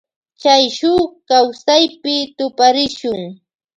Chay shuk kawsaypi tuparishun.